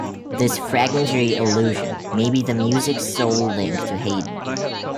This fragmentary allusion may be the music's sole link to Haydn.